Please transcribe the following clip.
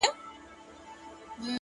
• چي زه نه یم په جهان کي به تور تم وي,